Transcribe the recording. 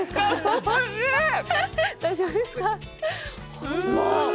大丈夫ですか？